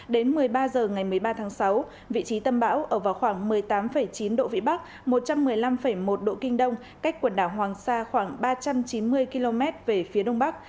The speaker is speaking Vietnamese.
đến một mươi ba h ngày một mươi ba tháng sáu vị trí tâm bão ở vào khoảng một mươi tám chín độ vĩ bắc một trăm một mươi năm một độ kinh đông cách quần đảo hoàng sa khoảng ba trăm chín mươi km về phía đông bắc